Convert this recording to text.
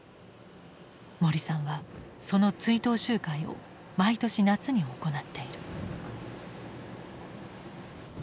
森さんはその追悼集会を毎年夏に行っている。